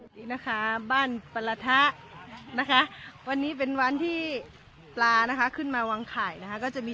นี่นะคะบ้านปลาทะนะคะวันนี้เป็นวันที่ปลานะคะขึ้นมาวางไข่นะคะก็จะมี